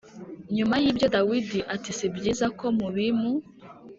Nyuma y ibyo Dawidi at sibyiza ko mubim